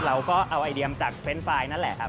เราก็เอาไอเดียมจากเฟรนด์ไฟล์นั่นแหละครับ